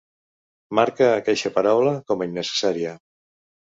Marca aqueixa paraula com a "innecessària".